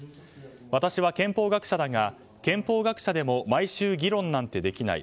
私は憲法学者だが、憲法学者でも毎週議論なんてできない。